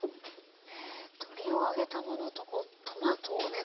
鶏を揚げたものとトマトをね